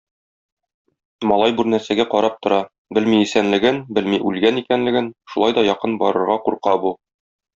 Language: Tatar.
Малай бу нәрсәгә карап тора, белми исәнлеген, белми үлгән икәнлеген, шулай да якын барырга курка бу.